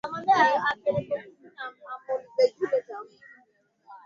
pia uwatumia wachezaji wa mpira ambao hutoka nje ya nchi